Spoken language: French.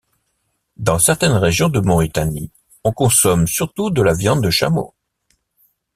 Dans certaines régions de Mauritanie, on consomme surtout de la viande de chameau.